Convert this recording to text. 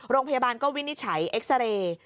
โรงพยาบาลก็วินิจฉัยเอ็กซาเรย์